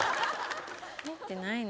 入ってないのよ。